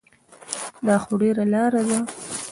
دا خو ډېره لاره ده.